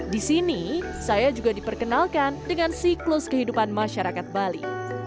di sini saya juga diperkenalkan dengan siklus kehidupan masyarakat bali